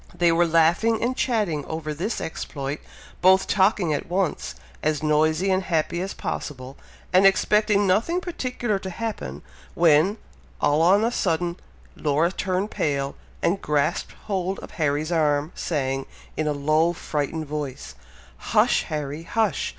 They were laughing and chatting over this exploit, both talking at once, as noisy and happy as possible, and expecting nothing particular to happen, when, all on a sudden, Laura turned pale, and grasped hold of Harry's arm, saying, in a low frightened voice, "Hush, Harry! hush!